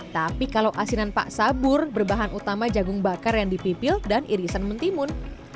tapi kalau asinan pak sabur berbahan utama jagung bakar yang dipipil dan irisan mentimun